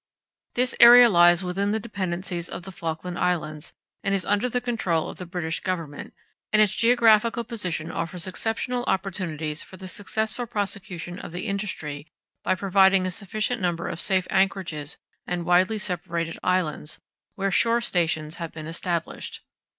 This area lies within the Dependencies of the Falkland Islands, and is under the control of the British Government, and its geographical position offers exceptional opportunities for the successful prosecution of the industry by providing a sufficient number of safe anchorages and widely separated islands, where shore stations have been established.